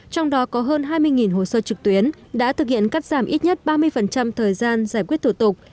trong đó có hơn hai mươi hồ sơ trực tuyến đã thực hiện cắt giảm ít nhất ba mươi thời gian giải quyết thủ tục